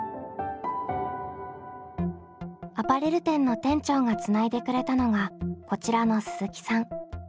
アパレル店の店長がつないでくれたのがこちらの鈴木さん。